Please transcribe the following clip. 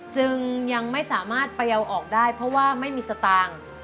จึงยังไม่สามารถไปเอาออกได้เพราะว่าไม่มีสตางค์